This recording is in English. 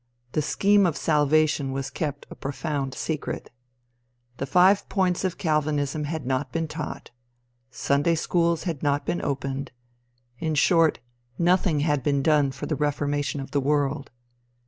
The "scheme of salvation" was kept a profound secret. The five points of Calvinism had not been taught. Sunday schools had not been opened. In short, nothing had been done for the reformation of the world.